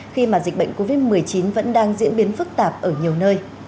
khi mà dịch bệnh covid một mươi chín vẫn đang diễn biến phức tạp ở nhiều nơi